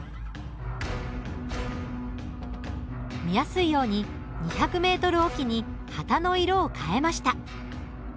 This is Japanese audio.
見やすいように２００ｍ置きに旗の色を変えました。